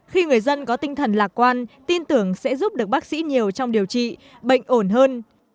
khi người dân có tinh thần lạc quan tin tưởng sẽ giúp được bác sĩ nhiều trong điều trị bệnh ổn hơn